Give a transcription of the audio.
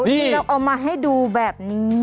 จริงเราเอามาให้ดูแบบนี้